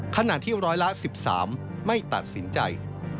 ขณะที่ร้อยละ๑๓ไม่ตัดสินใจ